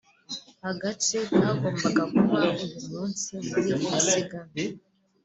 Agace kagombaga kuba uyu munsi muri iri siganwa